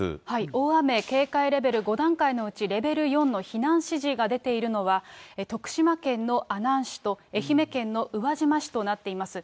大雨警戒レベル５段階のうち、レベル４の避難指示が出ているのは、徳島県の阿南市と、愛媛県の宇和島市となっています。